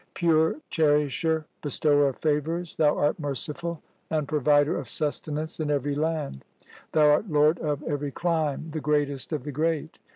Pure Cherisher, Bestower of favours, Thou art merciful, and Provider of sustenance in every land. Thou art Lord of every clime, the greatest of the great.